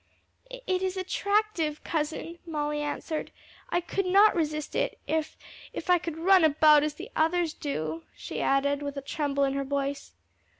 "It is attractive, cousin," Molly answered; "I could not resist it if if I could run about as others do," she added, with a tremble in her voice.